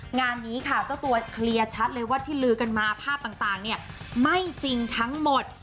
งานนี้ค่ะเจ้าตัวเคลียร์ชัดเลยว่าที่ลือกันมาภาพต่างเนี่ยไม่จริงทั้งหมด